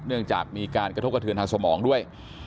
เนื่องจากมีการกระทบกระเทือนทางสมองด้วย